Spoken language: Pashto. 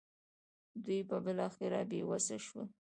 دوی به بالاخره بې وسه شول.